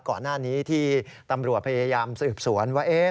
ก่อนหน้านี้ที่ตำรวจพยายามสืบสวนว่า